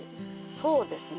そうですね。